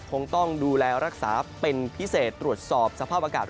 คงต้องดูแลรักษาเป็นพิเศษตรวจสอบสภาพอากาศ